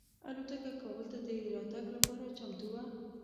الوتکه کابل ته د راتګ لپاره چمتو وه.